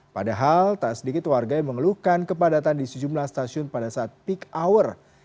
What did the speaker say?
padahal tak sedikit warga yang mengeluhkan kepadatan di sejumlah stasiun pada saat peak hour